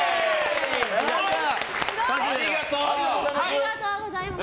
ありがとうございます。